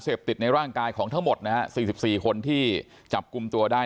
เสพติดในร่างกายของทั้งหมดนะฮะสี่สิบสี่คนที่จับกรุมตัวได้ใน